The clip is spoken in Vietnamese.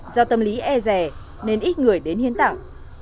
do tâm lý e rẻ nên ít người đến hiến tạo